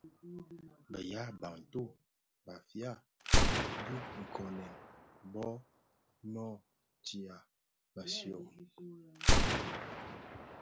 Bë yaa Bantu (Bafia) dhinkonèn bō noo nootia mëshyom.